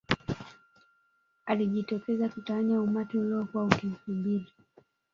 Alijitokeza kutawanya umati uliokuwa ukimsubiri